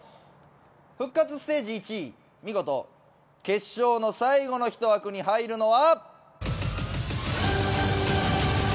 復活ステージ１位見事、決勝の最後の１枠に入るのは。